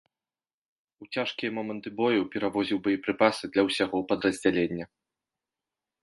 У цяжкія моманты бою перавозіў боепрыпасы для ўсяго падраздзялення.